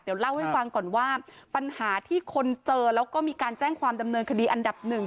เดี๋ยวเล่าให้ฟังก่อนว่าปัญหาที่คนเจอแล้วก็มีการแจ้งความดำเนินคดีอันดับหนึ่ง